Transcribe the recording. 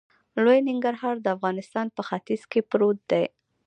لوی ننګرهار د افغانستان په ختیځ کې پروت دی.